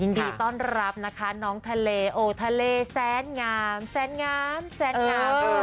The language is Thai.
ยินดีต้อนรับนะคะน้องทะเลโอทะเลแสนงามแสนงามแสนงาม